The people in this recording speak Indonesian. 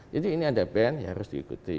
jadi ini ada band ya harus diikuti